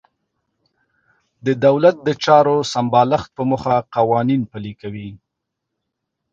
د دولت د چارو سمبالښت په موخه قوانین پلي کوي.